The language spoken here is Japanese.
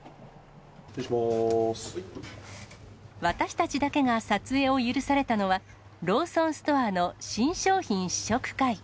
私たちだけが撮影を許されたのは、ローソンストアの新商品試食会。